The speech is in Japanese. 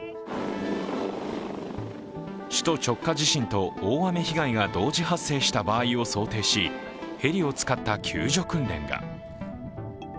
首都直下型地震と大雨被害が同時発生した場合を想定し、ヘリを使った救助訓練が。